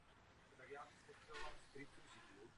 Oba pachatelé byli zatčeni.